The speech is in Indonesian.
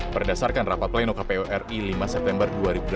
berdasarkan rapat pleno kpu ri lima september dua ribu dua puluh